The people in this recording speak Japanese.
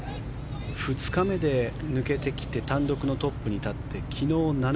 ２日目で抜けてきて単独のトップに立って昨日、７０。